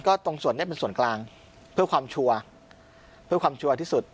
ก็ตรงส่วนนี้เป็นส่วนกลางเพื่อความชัวร์ที่สุด